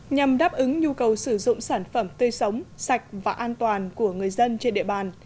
nhằm đáp ứng nhu cầu sử dụng sản phẩm tươi sống sạch và an toàn của người dân trên địa bàn